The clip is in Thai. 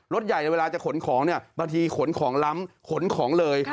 ใหญ่เวลาจะขนของเนี่ยบางทีขนของล้ำขนของเลย